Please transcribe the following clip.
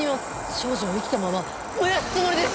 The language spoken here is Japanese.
少女を生きたまま燃やすつもりです！